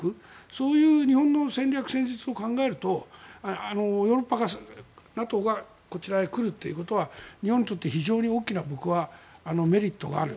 そういう日本の戦略戦術を考えるとヨーロッパが、ＮＡＴＯがこちらへ来るということは日本にとって非常に大きな僕はメリットがある。